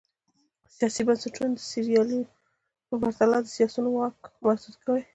سیاسي بنسټونه د سیریلیون په پرتله د سیاسیونو واک محدود کړي.